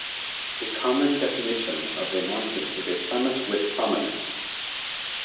A common definition of a mountain is a summit with prominence.